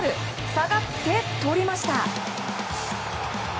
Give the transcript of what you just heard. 下がって、とりました！